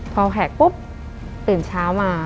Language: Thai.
พอแหกปุ๊บตื่นเช้ามา